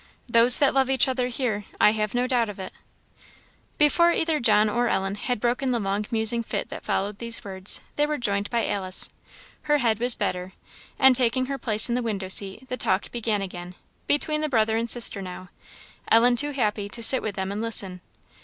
"Those that love each other here! I have no doubt of it." Before either John or Ellen had broken the long musing fit that followed these words, they were joined by Alice. Her head was better; and taking her place in the window seat, the talk began again, between the brother and sister now; Ellen too happy to sit with them and listen.